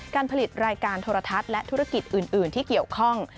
การผลิตรายการโทรทัศน์และธุรกิจอื่นที่เกี่ยวข้อง